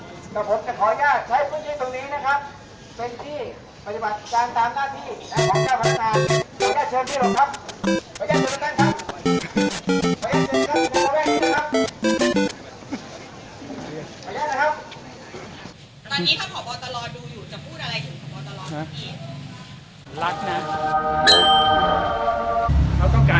แต่ผมจะขออนุญาตใช้พื้นที่ตรงนี้นะครับเป็นที่ปฏิบัติการตามหน้าที่ของการทำงานครับ